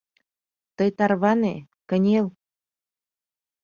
Тый тарване, кынел